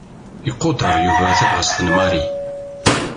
Iqudeṛ Yuba tabɣest n Mary.